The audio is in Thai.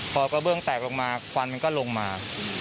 พอกระเบื้องแตกลงมาควันมันก็ลงมา